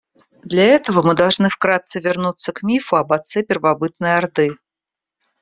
Для этого мы должны вкратце вернуться к мифу об отце первобытной орды.